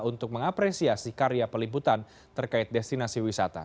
untuk mengapresiasi karya peliputan terkait destinasi wisata